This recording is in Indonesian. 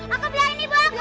aku bilang ini bapakku loh